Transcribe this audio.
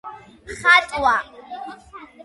ხატვა